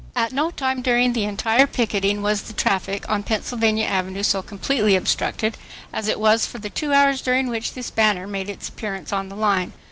At no time during the entire picketing was the traffic on Pennsylvania Avenue so completely obstructed as it was for the two hours during which this banner made its appearance on the line.